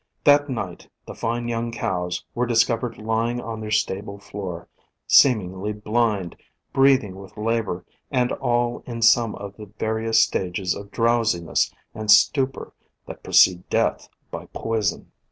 That night the fine young cows were discovered lying on their stable floor, seemingly blind, breathing with labor, and all in some of the various stages of drowsiness and stupor that precede death by poison.